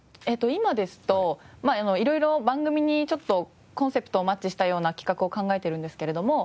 今ですと色々番組にちょっとコンセプトをマッチしたような企画を考えているんですけれども。